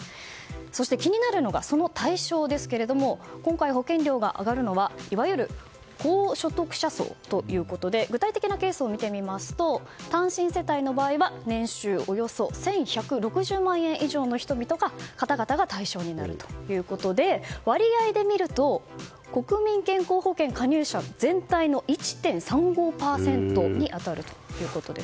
そして気になるのがその対象ですが今回、保険料が上がるのはいわゆる高所得者層ということで具体的なケースを見てみますと単身世帯の場合は年収およそ１１６０万円以上の方々が対象になるということで割合で見ると国民健康保険加入者の全体の１．３５％に当たるということです。